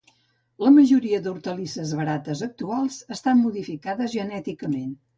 La majoria d'hortalisses barates actuals estan modificades genèticament.